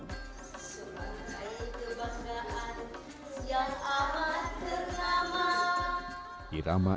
semangkai kebanggaan yang amat ternama